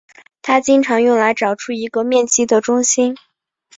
它经常用来找出一个面积的中心。